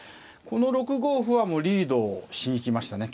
この６五歩はもうリードしに行きましたね。